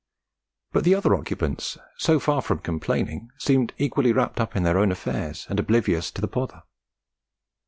But the other occupants, so far from complaining, seemed equally wrapped up in their own affairs, and oblivious to the pother.